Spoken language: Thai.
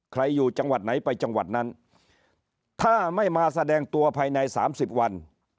อยู่จังหวัดไหนไปจังหวัดนั้นถ้าไม่มาแสดงตัวภายในสามสิบวัน